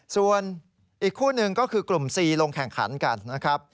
ส่วนอีกคู่หนึ่งก็คือกลุ่ม๔ลงแข่งขันกันนะครับ